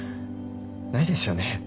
ないですよね。